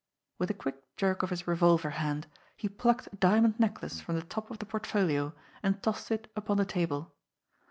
With a quick jerk of his revolver hand, he plucked a diamond necklace from the top of the portfolio, and tossed it upon the table.